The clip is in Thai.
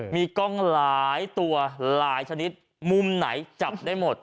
มีกล้องหลายตัวหลายชนิดมุมไหนจับได้หมด